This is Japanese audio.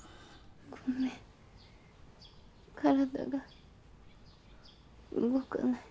ごめん体が動かない。